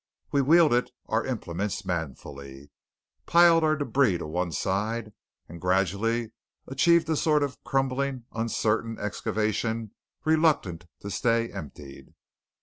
We wielded our implements manfully, piled our débris to one side, and gradually achieved a sort of crumbling uncertain excavation reluctant to stay emptied.